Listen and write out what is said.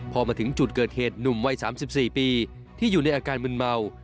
พอมาถึงจุดเกิดเหตุหนุ่มวัย๓๔ปีที่อยู่ในอาการมึนเมา